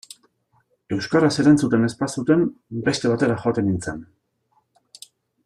Euskaraz erantzuten ez bazuten, beste batera joaten nintzen.